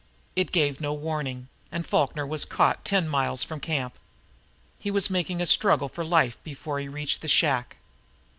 It gave no warning, and Falkner was caught ten miles from camp. He was making a struggle for life before he reached the shack.